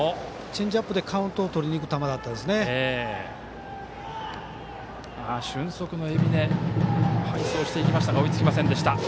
チェンジアップでカウントをとりにいく球でしたね。